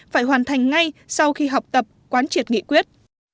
phải hoàn thành ngay sau khi học tập quán triệt nghị quyết